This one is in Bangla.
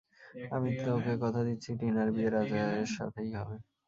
আমি তোকে কথা দিচ্ছি, টিনার বিয়ে রাজের সাথেই হবে।